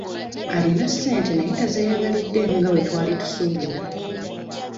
Alina ssente naye tazeeyagaliddeemu nga bwe twali tusuubira.